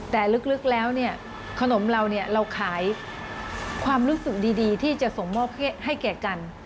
แต่ลึกแล้วเนี่ยขนมเราเนี่ยเราขายความรู้สึกดีที่จะส่งมอบให้แก่กัน